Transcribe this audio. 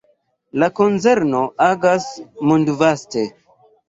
La konzerno agas mondvaste.